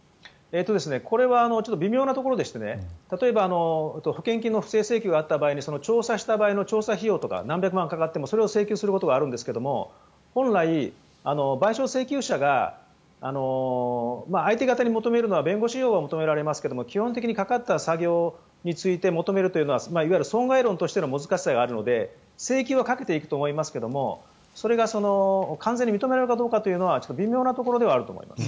これはちょっと微妙なところでして例えば、保険金の不正請求があった場合に調査した場合の調査費用とか何百万かかってもそれを請求することはあるんですが本来、賠償請求者が相手方に求めるのは弁護士費用は求められますが基本的にかかった作業について求めるというのはいわゆる損害論としての難しさがあるので請求をかけていくとは思いますがそれが完全に認められるかは微妙なところではあると思います。